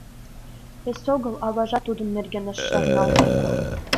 Эсогыл аважат тудын нерген ыш шарналдте.